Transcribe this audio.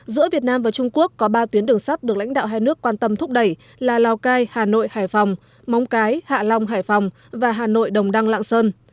giữa việt nam và trung quốc có ba tuyến đường sắt được lãnh đạo hai nước quan tâm thúc đẩy là lào cai hà nội hải phòng móng cái hạ long hải phòng và hà nội đồng đăng lạng sơn